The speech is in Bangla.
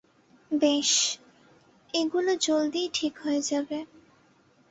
বেশ, এগুলো জলদিই ঠিক হয়ে যাবে।